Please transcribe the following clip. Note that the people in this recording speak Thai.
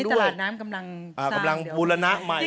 อันนี้ตลาดน้ำกำลังสร้างเดี๋ยวอ่ากำลังบุรณะใหม่